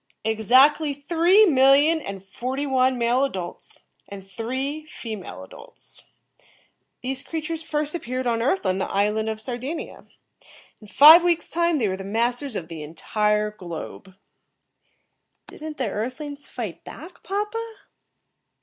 "Exactly three million and forty one male adults and three female adults. These creatures first appeared on Earth on the island of Sardinia. In five weeks' time they were the masters of the entire globe." "Didn't the Earth lings fight back, papa?"